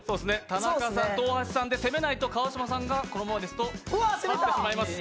田中さんと大橋さんで攻めないと川島さんがこのまま勝ってしまいます。